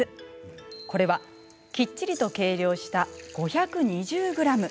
これは、きっちりと計量した５２０ｇ。